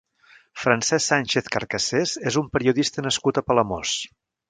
Francesc Sánchez Carcassés és un periodista nascut a Palamós.